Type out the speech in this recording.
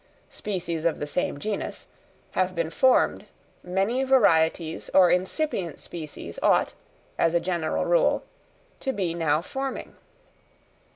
_, species of the same genus) have been formed, many varieties or incipient species ought, as a general rule, to be now forming.